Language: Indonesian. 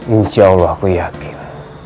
insya allah saya yakin